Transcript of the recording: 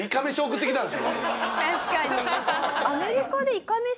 確かに。